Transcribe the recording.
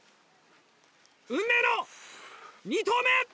運命の２投目！